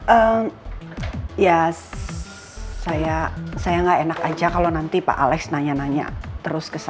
eh ya saya enggak enak aja kalau nanti pak alex nanya nanya terus ke saya